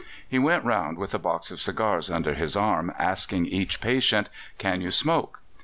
He went round with a box of cigars under his arm, asking each patient, "Can you smoke?"